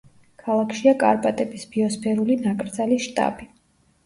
ქალაქშია კარპატების ბიოსფერული ნაკრძალის შტაბი.